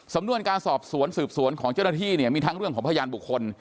สำนวนการสอบสวนสืบสวนของเจ้าหน้าที่เนี่ยมีทั้งเรื่องของพยานบุคคล